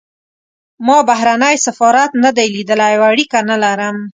ما بهرنی سفارت نه دی لیدلی او اړیکه نه لرم.